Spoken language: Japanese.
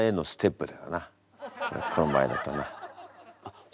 この場合だとな。